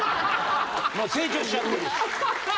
もう成長しちゃってるし。